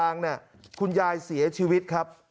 ขวางทางคุณยายเสียชีวิตครับ